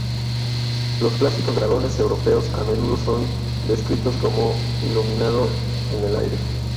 Los clásicos dragones europeos a menudo son descritos como iluminando el aire.